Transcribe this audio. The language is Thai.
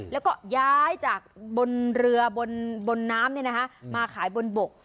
แล้วก็ย้ายจากบนเรือบนน้ำมาขายบนบก